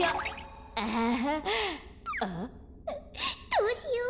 どうしよう。